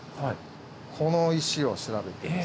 この石を調べています。